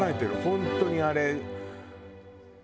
本当にあれ。